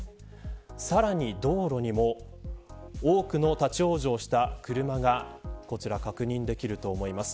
さらに、道路にも多くの立ち往生した車がこちら、確認できると思います。